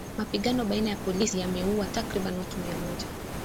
Mapigano baina ya polisi yameuwa takribani watu mia moja